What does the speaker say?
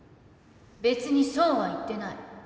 別にそうは言ってない。